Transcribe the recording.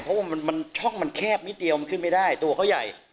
เพราะว่ามันช่องมันแคบนิดเดียวมันขึ้นไม่ได้ตัวเขาใหญ่